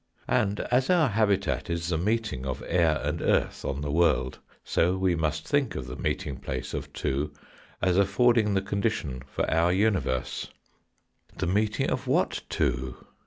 And as our habitat is the meeting of air and earth on the world, so we must think of the meeting place of two as affording the condition for our universe. The meeting of what two